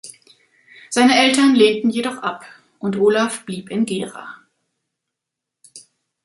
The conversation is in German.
Seine Eltern lehnten jedoch ab, und Olaf blieb in Gera.